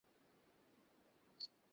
Brooklyn ব্রিজে আগুন লেগেছে।